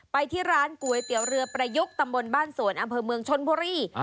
ไปที่ร้านก๋วยเตี๋ยวเรือประยุกต์ตำบลบ้านสวนอำเภอเมืองชนบุรี